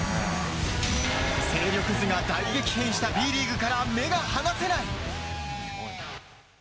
勢力図が大激変したＢリーグから目が離せない。